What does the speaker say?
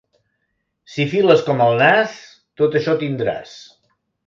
Si files com el nas, tot això tindràs.